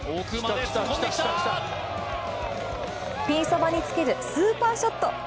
ピンそばにつけるスーパーショット！